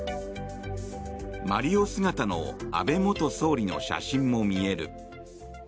マリオ姿の安倍元総理の写真も見える。